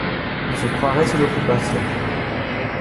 On se croirait sous l’Occupation